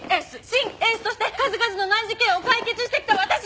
シン・エースとして数々の難事件を解決してきた私が！